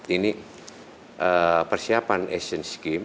ini persiapan asian scheme